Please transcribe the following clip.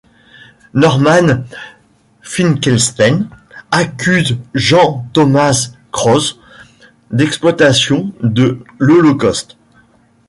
Norman Finkelstein accuse Jan Tomasz Gross d'exploitation de l'Holocauste.